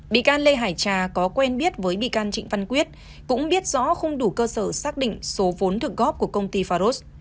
bị can lê hải trà có quen biết với bị can trịnh văn quyết cũng biết rõ không đủ cơ sở xác định số vốn thực góp của công ty faros